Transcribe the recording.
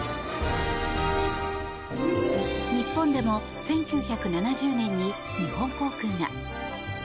日本でも１９７０年に日本航空が。